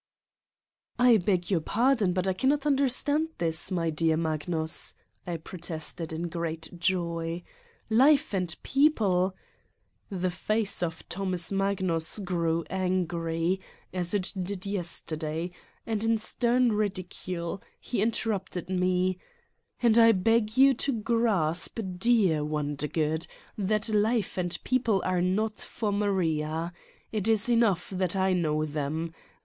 "I beg your pardon but I cannot understand this, my dear Magnus!" I protested in great joy. "Life and people " The face of Thomas Magnus grew angry, as it did yesterday, and in stern ridicule, he interrupted me: "And I beg you to grasp, dear Wondergood, that life and people are not for Maria, It is enough that I know them.